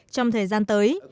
trong thời gian tới